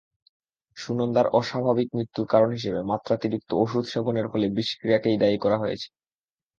সুনন্দার অস্বাভাবিক মৃত্যুর কারণ হিসেবে মাত্রাতিরিক্ত ওষুধ সেবনের ফলে বিষক্রিয়াকেই দায়ী করা হয়েছে।